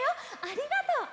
ありがとう！